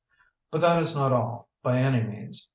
"But that is not all, by any means.